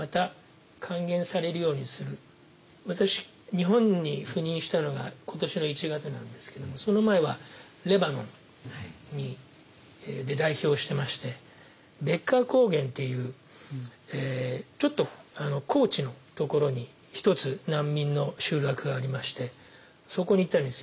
日本に赴任したのが今年の１月なんですけどもその前はレバノンで代表をしてましてベッカー高原っていうちょっと高地のところに１つ難民の集落がありましてそこに行ったんですよ。